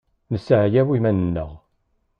Nesseɛyaw iman-nneɣ.